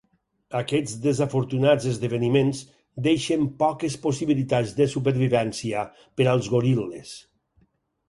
Aquests desafortunats esdeveniments deixen poques possibilitats de supervivència per als goril·les.